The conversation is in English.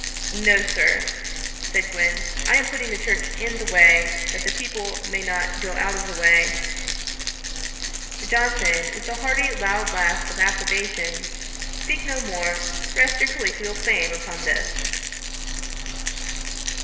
'No, Sir, (said Gwyn,) I am putting the church in the way, that the people may not go out of the way.' JOHNSON, (with a hearty loud laugh of approbation,) 'Speak no more. Rest your colloquial fame upon this.'